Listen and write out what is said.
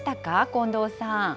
近藤さん。